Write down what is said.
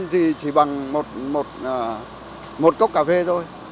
thì chỉ bằng một cốc cà phê thôi